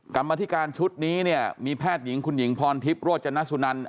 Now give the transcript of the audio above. กรรมธิการชุดนี้เนี่ยมีแพทย์หญิงคุณหญิงพรทิพย์โรจนสุนัน